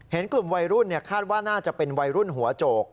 เห็นกลุ่มวัยรุ่นคาดว่าน่าจะเป็นวัยรุ่นหัวโจก